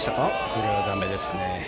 これは駄目ですね。